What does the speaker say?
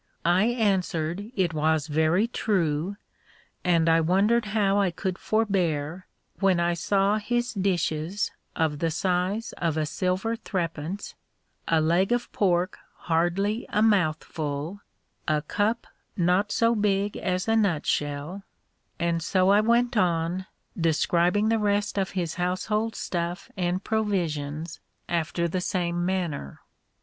I answered, it was very true; and I wondered how I could forbear, when I saw his dishes of the size of a silver threepence, a leg of pork hardly a mouthful, a cup not so big as a nutshell; and so I went on, describing the rest of his household stuff and provisions after the same manner.